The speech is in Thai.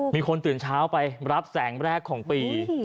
มีคนตื่นเช้าไปรับแสงแรกของปี